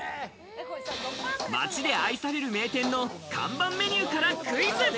街で愛される名店の看板メニューからクイズ。